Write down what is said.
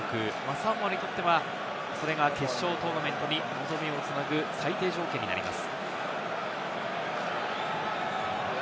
サモアにとっては、それが決勝トーナメントに望みをつなぐ最低条件になります。